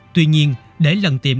tuy nhiên để lần tìm